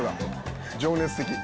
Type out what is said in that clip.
情熱的。